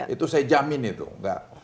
itu saya jamin itu